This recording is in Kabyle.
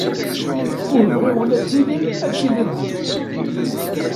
Ur bɣiɣ ula d tilin ara tiliḍ din.